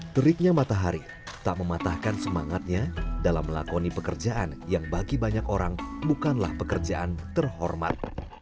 teriknya matahari tak mematahkan semangatnya dalam melakoni pekerjaan yang bagi banyak orang bukanlah pekerjaan terhormat